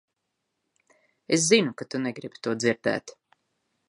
Es zinu, ka tu negribi to dzirdēt.